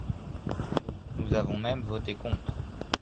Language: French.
Nous avons même voté contre.